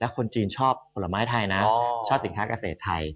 และก็คนจีนชอบผลไม้ไทยนะ